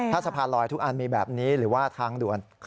ถ้าสะพานลอยทุกอันมีแบบนี้หรือว่าทางด่วน